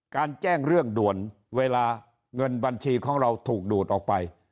แจ้งเรื่องด่วนเวลาเงินบัญชีของเราถูกดูดออกไป